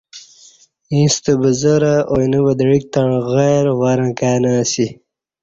ییݩستہ بزرہ اینہ ودعیک تݩع غیر ورں کائی نہ اسی